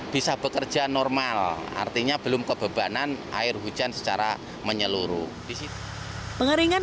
bisa bekerja normal artinya belum kebebanan air hujan secara menyeluruh di situ pengeringan